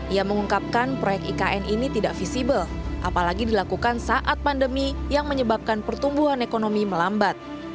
ia mengungkapkan proyek ikn ini tidak visible apalagi dilakukan saat pandemi yang menyebabkan pertumbuhan ekonomi melambat